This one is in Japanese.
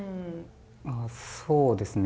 あっそうですね。